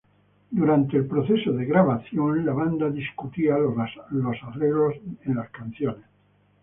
Durante el proceso de grabación, la banda discutía los arreglos en las canciones.